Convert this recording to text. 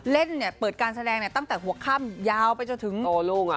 เล่นเปิดการแสดงตั้งแต่หัวค่ำยาวไปถึงตัวลุ่ม